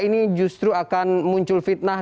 ini justru akan muncul fitnah